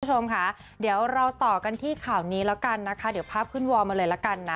คุณผู้ชมค่ะเดี๋ยวเราต่อกันที่ข่าวนี้แล้วกันนะคะเดี๋ยวภาพขึ้นวอลมาเลยละกันนะ